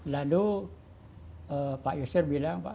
lalu pak yusril bilang